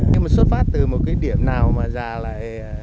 nhưng mà xuất phát từ một cái điểm nào mà già lại